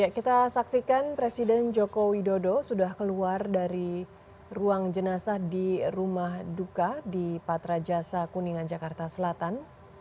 kita saksikan presiden joko widodo sudah keluar dari ruang jenazah di rumah duka di patra jasa kuningan jakarta selatan